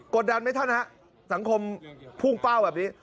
ดันไหมท่านฮะสังคมพุ่งเป้าแบบนี้